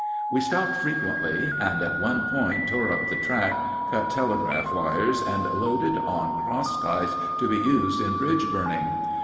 We stopped frequently, and at one point tore up the track, cut telegraph wires, and loaded on cross ties to be used in bridge burning.